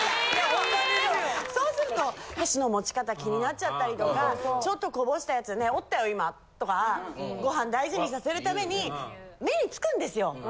そうすると箸の持ち方気になっちゃったりとかちょっとこぼしたやつ「ねぇ落ちたよ今」とかご飯大事にさせるために目につくんですよ。